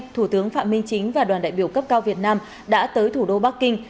thủ tướng phạm minh chính và đoàn đại biểu cấp cao việt nam đã tới thủ đô bắc kinh